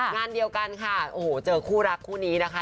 งานเดียวกันค่ะโอ้โหเจอคู่รักคู่นี้นะคะ